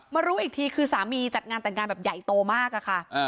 รู้อีกทีคือสามีจัดงานแต่งงานแบบใหญ่โตมากอะค่ะ